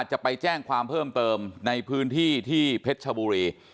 จะไปแจ้งความเพิ่มเติมในพื้นที่ที่เพชรชบุรี